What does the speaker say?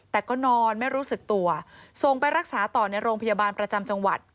แต่ก็นอนไม่รู้สึกตัวส่งไปรักษาต่อในโรงพยาบาลประจำจังหวัด